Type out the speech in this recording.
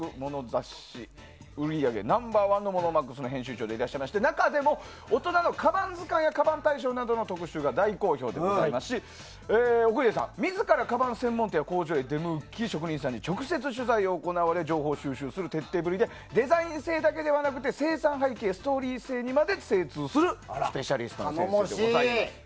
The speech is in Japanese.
雑誌売り上げナンバー１の「ＭｏｎｏＭａｘ」の編集長でいらっしゃいまして中でも「大人のカバン図鑑」などの特集が大好評でございますし奥家さん、自らカバン専門店の工場に出向き職人さんに直接取材を行われ情報収集する徹底ぶりでデザイン性だけではなくて生産、背景ストーリー性などにも精通するスペシャリストの先生です。